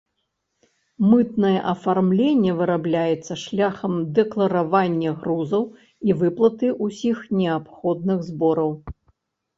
Мытнае афармленне вырабляецца шляхам дэкларавання грузаў і выплаты ўсіх неабходных збораў.